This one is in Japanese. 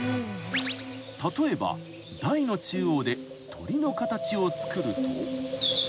［例えば台の中央で鳥の形を作ると］